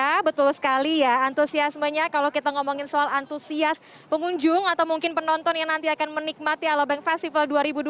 ya betul sekali ya antusiasmenya kalau kita ngomongin soal antusias pengunjung atau mungkin penonton yang nanti akan menikmati alobank festival dua ribu dua puluh tiga